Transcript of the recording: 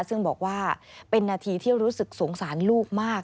ซึ่งบอกว่าเป็นนาทีที่รู้สึกสงสารลูกมาก